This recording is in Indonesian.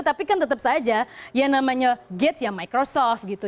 tapi kan tetap saja yang namanya gates ya microsoft gitu